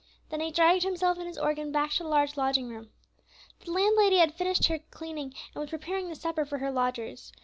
Then he dragged himself and his organ back to the large lodging room. The landlady had finished her cleaning, and was preparing the supper for her lodgers.